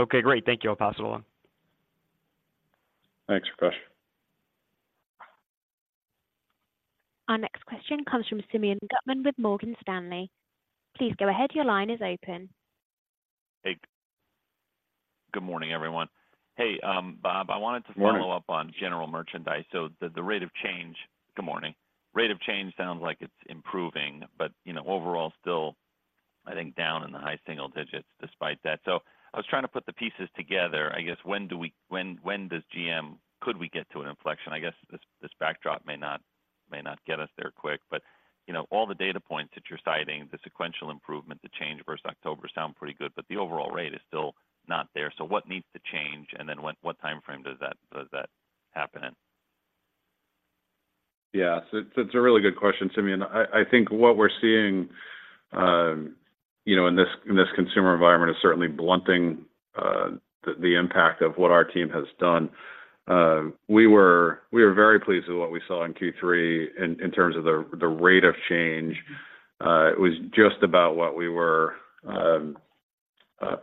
Okay, great. Thank you. I'll pass it along. Thanks, Rupesh. Our next question comes from Simeon Gutman with Morgan Stanley. Please go ahead. Your line is open. Hey. Good morning, everyone. Hey, Bob- Good morning. I wanted to follow up on general merchandise. So the rate of change sounds like it's improving, but, you know, overall, still, I think, down in the high single digits despite that. So I was trying to put the pieces together. I guess, when do we—when, when does GM—could we get to an inflection? I guess this, this backdrop may not, may not get us there quick, but, you know, all the data points that you're citing, the sequential improvement, the change versus October sound pretty good, but the overall rate is still not there. So what needs to change, and then when—what timeframe does that, does that happen in? Yeah. So it's a really good question, Simeon. I think what we're seeing, you know, in this consumer environment is certainly blunting the impact of what our team has done. We are very pleased with what we saw in Q3 in terms of the rate of change. It was just about what we were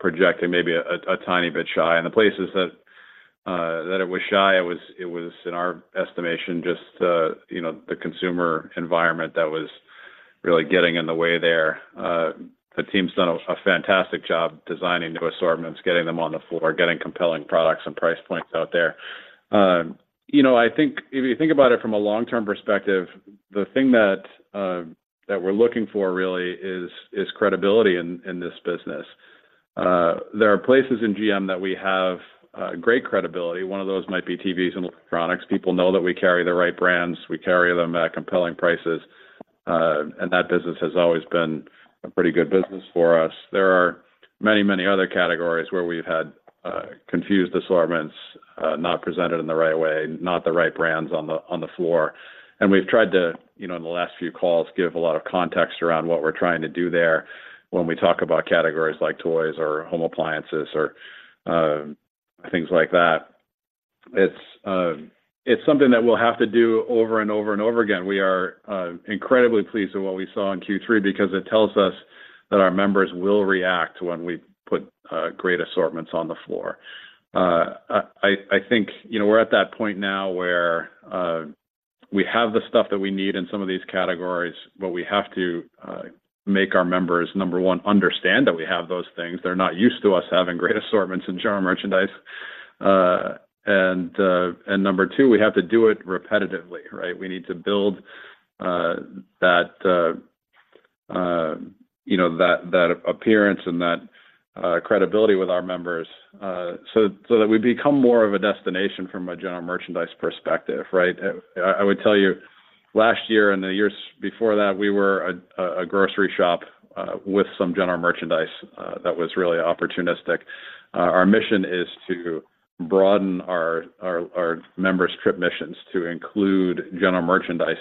projecting, maybe a tiny bit shy. And the places that it was shy, it was, in our estimation, just, you know, the consumer environment that was really getting in the way there. The team's done a fantastic job designing new assortments, getting them on the floor, getting compelling products and price points out there. You know, I think if you think about it from a long-term perspective, the thing that we're looking for really is credibility in this business. There are places in GM that we have great credibility. One of those might be TVs and electronics. People know that we carry the right brands. We carry them at compelling prices, and that business has always been a pretty good business for us. There are many, many other categories where we've had confused assortments, not presented in the right way, not the right brands on the floor. And we've tried to, you know, in the last few calls, give a lot of context around what we're trying to do there when we talk about categories like toys or home appliances, or things like that. It's something that we'll have to do over and over and over again. We are incredibly pleased with what we saw in Q3, because it tells us that our members will react when we put great assortments on the floor. I think, you know, we're at that point now where we have the stuff that we need in some of these categories, but we have to make our members, number one, understand that we have those things. They're not used to us having great assortments in general merchandise. And number 2, we have to do it repetitively, right? We need to build that, you know, that appearance and that credibility with our members, so that we become more of a destination from a general merchandise perspective, right? I would tell you, last year and the years before that, we were a grocery shop with some general merchandise that was really opportunistic. Our mission is to broaden our members' trip missions to include general merchandise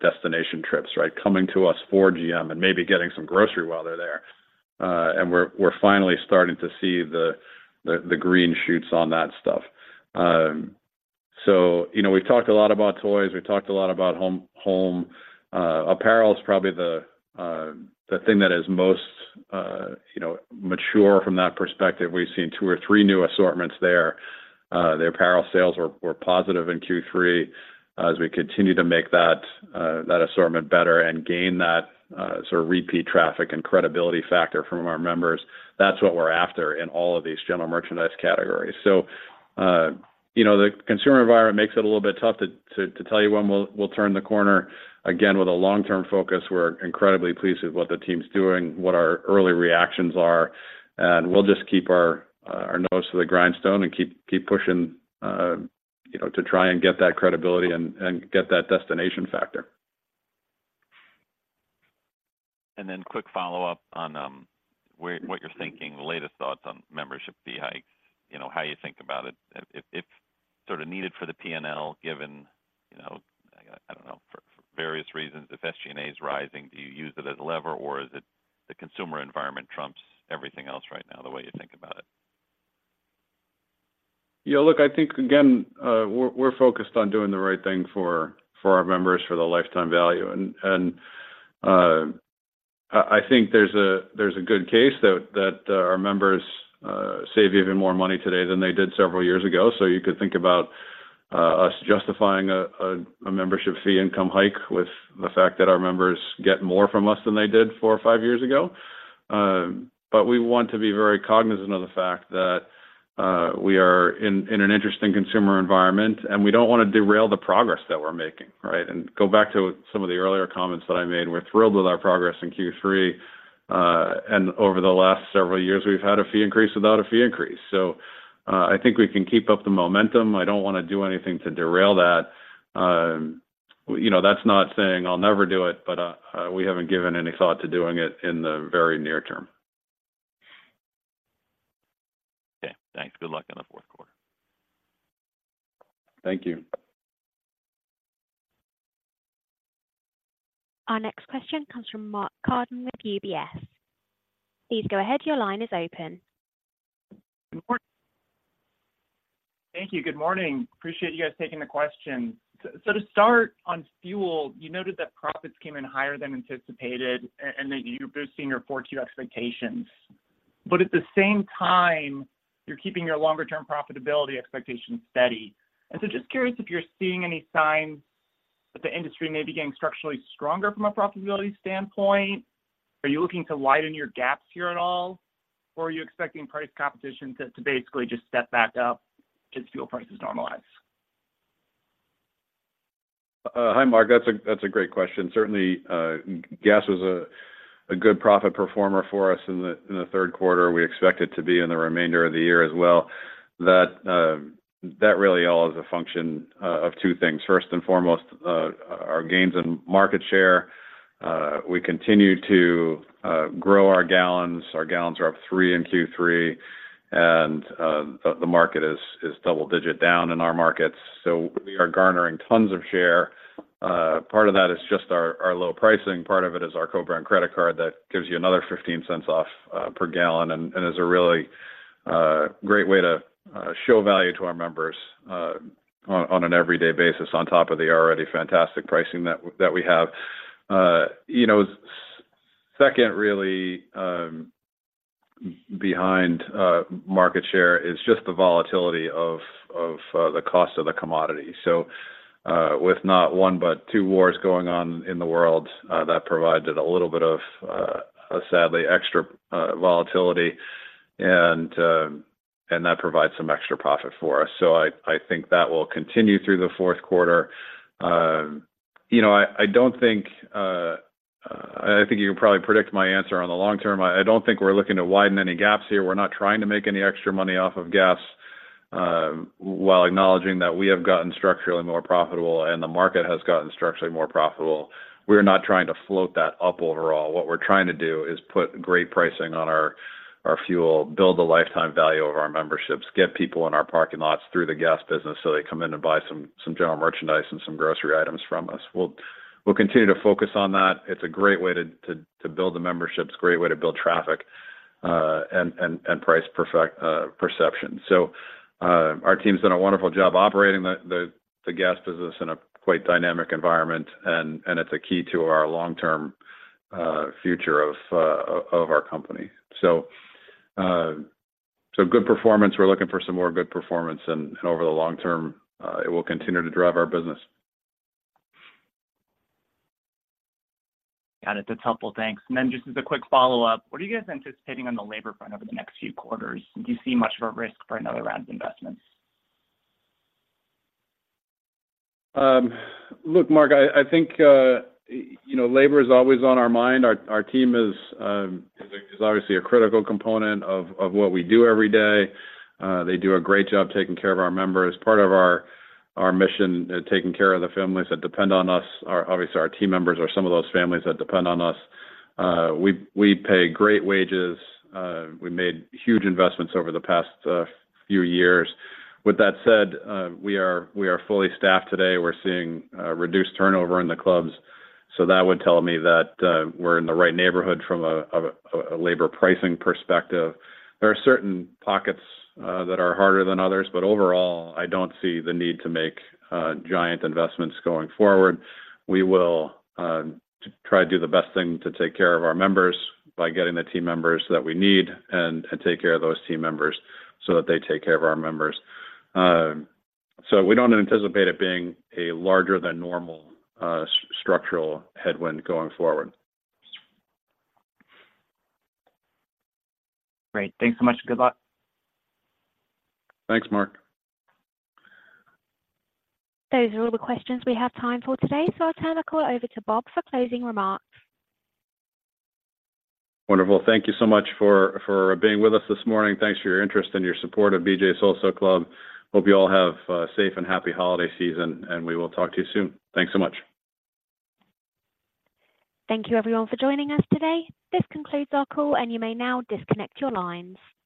destination trips, right? Coming to us for GM and maybe getting some grocery while they're there. And we're finally starting to see the green shoots on that stuff. So, you know, we've talked a lot about toys, we've talked a lot about home. Apparel is probably the thing that is most, you know, mature from that perspective. We've seen 2 or 3 new assortments there. The apparel sales were positive in Q3, as we continue to make that assortment better and gain that sort of repeat traffic and credibility factor from our members. That's what we're after in all of these general merchandise categories. So, you know, the consumer environment makes it a little bit tough to tell you when we'll turn the corner. Again, with a long-term focus, we're incredibly pleased with what the team's doing, what our early reactions are, and we'll just keep our nose to the grindstone and keep pushing, you know, to try and get that credibility and get that destination factor. And then quick follow-up on where what you're thinking, the latest thoughts on membership fee hikes. You know, how you think about it, if sort of needed for the P&L, given, you know, I don't know, for various reasons, if SG&A is rising, do you use it as a lever, or is it the consumer environment trumps everything else right now, the way you think about it? Yeah, look, I think, again, we're focused on doing the right thing for our members, for the lifetime value. And I think there's a good case that our members save even more money today than they did several years ago. So you could think about us justifying a membership fee income hike with the fact that our members get more from us than they did 4 or 5 years ago. But we want to be very cognizant of the fact that we are in an interesting consumer environment, and we don't wanna derail the progress that we're making, right? And go back to some of the earlier comments that I made. We're thrilled with our progress in Q3, and over the last several years, we've had a fee increase without a fee increase. So, I think we can keep up the momentum. I don't wanna do anything to derail that. You know, that's not saying I'll never do it, but we haven't given any thought to doing it in the very near term. Okay, thanks. Good luck on the Q4. Thank you. Our next question comes from Mark Carden with UBS. Please go ahead, your line is open. Good morning. Thank you. Good morning. Appreciate you guys taking the question. So to start on fuel, you noted that profits came in higher than anticipated and that you're boosting your 4-tier expectations. But at the same time, you're keeping your longer-term profitability expectations steady. And so just curious if you're seeing any signs that the industry may be getting structurally stronger from a profitability standpoint? Are you looking to widen your gaps here at all, or are you expecting price competition to basically just step back up as fuel prices normalize? Hi, Mark. That's a great question. Certainly, gas was a good profit performer for us in the Q3. We expect it to be in the remainder of the year as well. That really all is a function of 2 things. First and foremost, our gains in market share. We continue to grow our gallons. Our gallons are up 3 in Q3, and the market is double digit down in our markets, so we are garnering tons of share. Part of that is just our low pricing, part of it is our co-brand credit card that gives you another $0.15 off per gallon, and is a really great way to show value to our members on an everyday basis, on top of the already fantastic pricing that we have. You know, second, really, behind market share is just the volatility of the cost of the commodity. So, with not one, but 2 wars going on in the world, that provided a little bit of sadly extra volatility. And that provides some extra profit for us. So I think that will continue through the Q4. You know, I don't think I think you can probably predict my answer on the long term. I don't think we're looking to widen any gaps here. We're not trying to make any extra money off of gas, while acknowledging that we have gotten structurally more profitable and the market has gotten structurally more profitable. We're not trying to float that up overall. What we're trying to do is put great pricing on our fuel, build the lifetime value of our memberships, get people in our parking lots through the gas business, so they come in and buy some general merchandise and some grocery items from us. We'll continue to focus on that. It's a great way to build the memberships, great way to build traffic, and price perception. So, our team's done a wonderful job operating the gas business in a quite dynamic environment, and it's a key to our long-term future of our company. So, good performance, we're looking for some more good performance, and over the long term, it will continue to drive our business. Got it. That's helpful. Thanks. And then just as a quick follow-up, what are you guys anticipating on the labor front over the next few quarters? Do you see much of a risk for another round of investments? Look, Mark, I think, you know, labor is always on our mind. Our team is obviously a critical component of what we do every day. They do a great job taking care of our members. Part of our mission, taking care of the families that depend on us, are obviously our team members are some of those families that depend on us. We pay great wages. We made huge investments over the past few years. With that said, we are fully staffed today. We're seeing reduced turnover in the clubs, so that would tell me that we're in the right neighborhood from a labor pricing perspective. There are certain pockets that are harder than others, but overall, I don't see the need to make giant investments going forward. We will try to do the best thing to take care of our members by getting the team members that we need and take care of those team members so that they take care of our members. So we don't anticipate it being a larger than normal structural headwind going forward. Great. Thanks so much, and good luck. Thanks, Mark. Those are all the questions we have time for today, so I'll turn the call over to Bob for closing remarks. Wonderful. Thank you so much for being with us this morning. Thanks for your interest and your support of BJ's Wholesale Club. Hope you all have a safe and happy holiday season, and we will talk to you soon. Thanks so much. Thank you, everyone, for joining us today. This concludes our call, and you may now disconnect your lines.